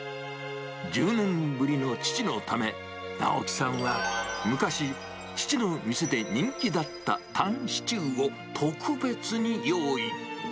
１０年ぶりの父のため、直樹さんは昔、父の店で人気だったタンシチューを、特別に用意。